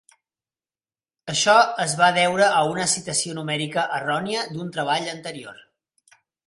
Això es va deure a una citació numèrica errònia d'un treball anterior.